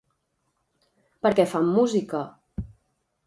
Per què fan música?